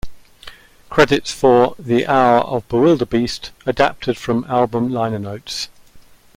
Credits for "The Hour of Bewilderbeast" adapted from album liner notes.